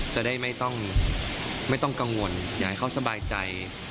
จะได้ไม่ต้องกังวลอยากให้เขาสบายใจ